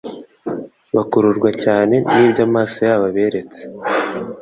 bakururwa cyane n'ibyo amaso yabo aberetse,